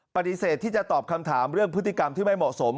ปฏิเสธที่จะตอบคำถามเรื่องพฤติกรรมที่ไม่เหมาะสม